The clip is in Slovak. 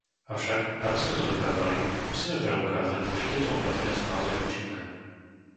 Avšak, aby sme to dokázali, musíme preukázať, že tieto opatrenia sú naozaj účinné.